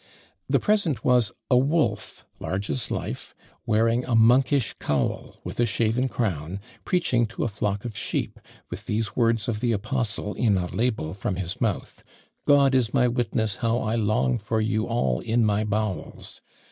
The present was a wolf, large as life, wearing a monkish cowl, with a shaven crown, preaching to a flock of sheep, with these words of the apostle in a label from his mouth "God is my witness how I long for you all in my bowels!"